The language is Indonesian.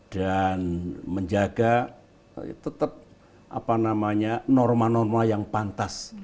dan menjaga tetap norma norma yang pantas